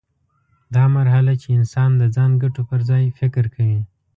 دا مرحله چې انسان د ځان ګټو پر ځای فکر کوي.